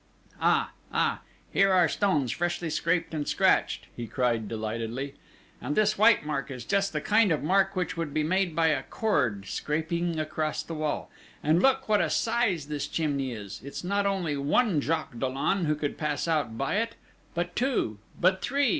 "Ah! Ah! Here are stones freshly scraped and scratched!" he cried delightedly. "And this white mark is just the kind of mark which would be made by a cord scraping against the wall! And look what a size this chimney is! It's not only one Jacques Dollon who could pass out by it, but two! But three!